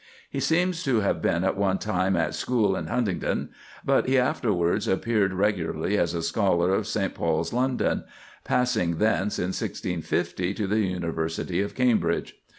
He seems to have been at one time at school in Huntingdon; but he afterwards entered regularly as a scholar of St. Paul's, London, passing thence, in 1650, to the University of Cambridge.